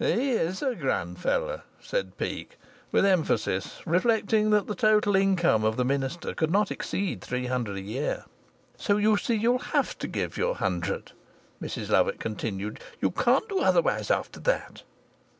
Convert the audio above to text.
"He is a grand fellow," said Peake, with emphasis, reflecting that the total income of the minister could not exceed three hundred a year. "So you see you'll have to give your hundred," Mrs Lovatt continued. "You can't do otherwise after that."